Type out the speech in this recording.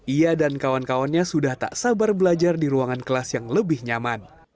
ia dan kawan kawannya sudah tak sabar belajar di ruangan kelas yang lebih nyaman